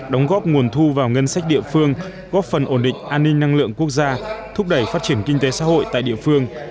đóng góp nguồn thu vào ngân sách địa phương góp phần ổn định an ninh năng lượng quốc gia thúc đẩy phát triển kinh tế xã hội tại địa phương